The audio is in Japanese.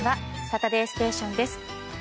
「サタデーステーション」です。